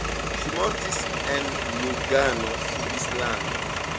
Ŝi mortis en Lugano, Svislando.